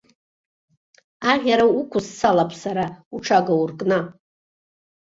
Аӷьара уқәысцалап сара уҽага уркны!